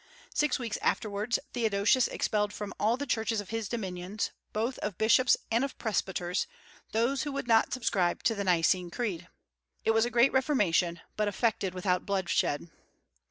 Six weeks afterwards Theodosius expelled from all the churches of his dominions, both of bishops and of presbyters, those who would not subscribe to the Nicene Creed. It was a great reformation, but effected without bloodshed.